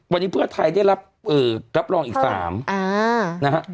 วันนี้เพื่อไทยได้รับเอ่อรับรองอีกสามอ่านะฮะ